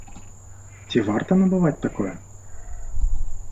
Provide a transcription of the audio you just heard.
Ці варта набываць такое?